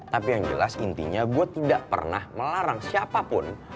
tapi yang jelas intinya gue tidak pernah melarang siapapun